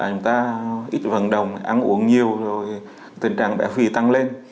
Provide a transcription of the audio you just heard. chúng ta ít vận động ăn uống nhiều rồi tình trạng bé phì tăng lên